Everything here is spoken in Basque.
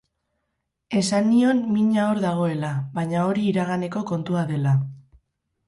Esan nion mina hor dagoela, baina hori iraganeko kontua dela.